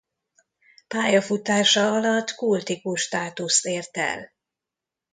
Pályafutása alatt kultikus státuszt ért el.